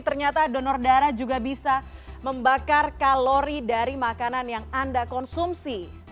ternyata donor darah juga bisa membakar kalori dari makanan yang anda konsumsi